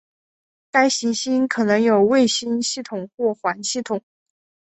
该行星可能有卫星系统或环系统。